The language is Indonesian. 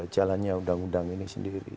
jalannya undang undang ini sendiri